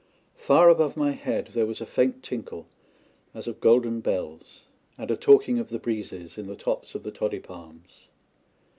Far above my head there was a faint tinkle, as of golden bells, and a talking of the breezes in the tops of the toddy palms.